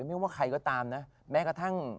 ไม่ว่าใครก็ตามนะแม้กระทั่ง